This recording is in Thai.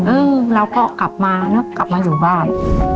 เออเราก็กลับมานึกกลับมาอยู่บ้าน